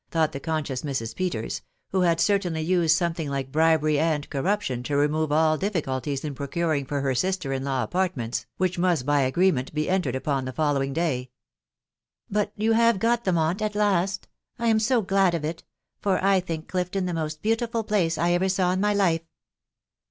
" thought the conscious Mrs. Peters, who had certainly need something like bribery and corruption to remove all difficulties in procuring for her sister in law apartments, whieh aatiat by agreement be entered upon the following day. " But you have got them, aunt, at last ?.... I am so glad of it !.... for I think Clifton the moat beautiful place I ever saw in my life."